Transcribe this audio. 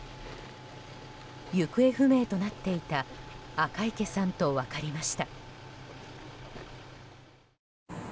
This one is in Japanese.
行方不明となっていた赤池さんと分かりました。